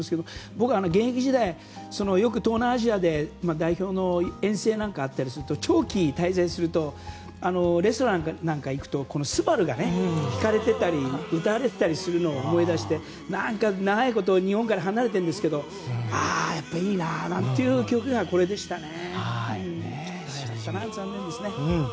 僕、現役時代よく東南アジアで代表の遠征なんかがあったりすると長期滞在するとレストランなんかに行くと「昴」が弾かれていたり歌われていたりするのを思い出して何か長いこと日本から離れているんですけどああ、やっぱりいいななんていう記憶にあるのはこれでしたね。